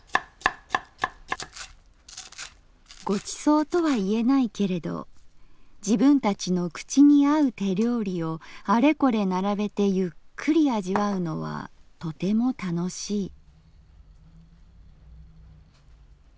「ご馳走とは言えないけれど自分たちの口にあう手料理をあれこれ並べてゆっくり味わうのはとても楽しい」。